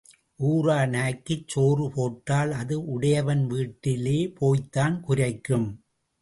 ஊரார் நாய்க்குச் சோறு போட்டால் அது உடையவன் வீட்டிலே போய்த்தான் குரைக்கும்.